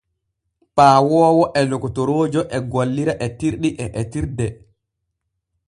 Paawoowo e lokotoroojo e gollira etirɗi e etirde.